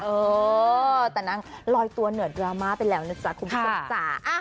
เออแต่นางลอยตัวเหนือดราม่าไปแล้วนะจ๊ะคุณผู้ชมจ้า